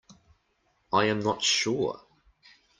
I am not sure.